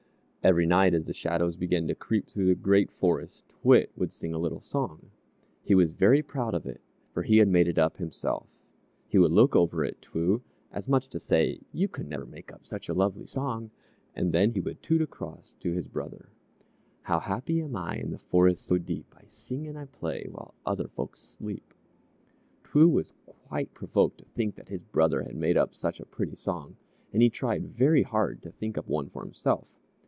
Every night as the shadows began to creep through the Great Forest, T'wit would sing a little song. He was very proud of it, for he had made it up himself. He would look over at T'woo as much as to say, "You never could make up such a lovely song," and then he would toot across to his brother: "How happy I am In the forest so deep; I sing and I play While other folks sleep!" T'woo was quite provoked to think that his brother had made up such a pretty song, and he tried very hard to think up one for himself.